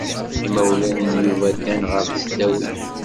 Imawlan n Yuba ddan ɣer tesdawit.